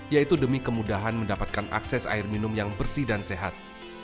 yaitu demi kemudahan mendapatkan akses air minum yang bersih dan sehat